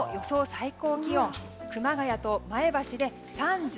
最高気温熊谷と前橋で３６度。